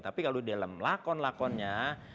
tapi kalau di dalam lakon lakonnya